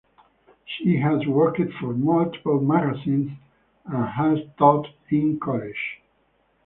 She has worked for multiple magazines and has taught in colleges.